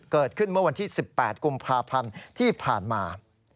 เมื่อวันที่๑๘กุมภาพันธ์ที่ผ่านมา